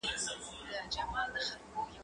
زه هره ورځ لوبه کوم؟!